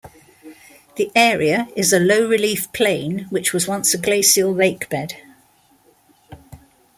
The area is a low-relief plain which was once a glacial lakebed.